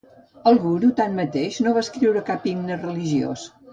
El Guru tanmateix, no va escriure cap himne religiós.